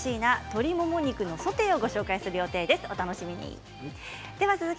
鶏もも肉のソテーをご紹介する予定です。